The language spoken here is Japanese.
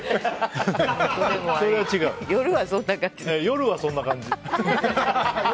夜はそんな感じ。